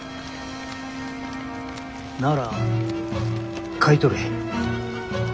なら買い取れ。